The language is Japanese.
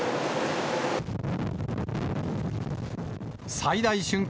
最大瞬間